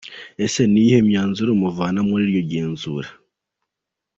com : Ese ni iyihe myanzuro muvana muri iryo genzura ?.